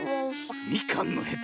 ん⁉みかんのヘタ。